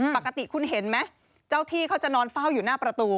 ปกติคุณเห็นไหมเจ้าที่เขาจะนอนเฝ้าอยู่หน้าประตู